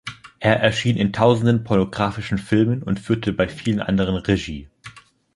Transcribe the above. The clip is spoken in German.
Er erschien in Tausenden pornographischen Filmen und führte bei vielen anderen Regie.